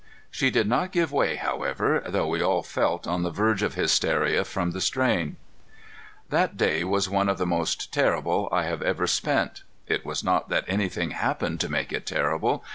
She did not give way, however, though we all felt on the verge of hysteria from the strain. That day was one of the most terrible I have ever spent. It was not that anything happened to make it terrible.